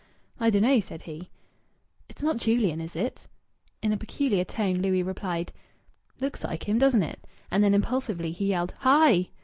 "I dun'no," said he. "It's not Julian, is it?" In a peculiar tone Louis replied "Looks like him, doesn't it?" And then impulsively he yelled "Hi!"